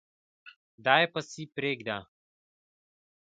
دی پسي پریږده